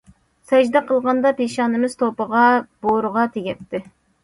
سەجدە قىلغاندا پېشانىمىز توپىغا، بورىغا تېگەتتى.